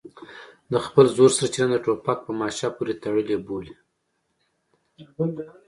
د خپل زور سرچینه د ټوپک په ماشه پورې تړلې بولي.